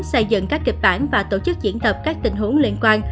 xây dựng các kịch bản và tổ chức diễn tập các tình huống liên quan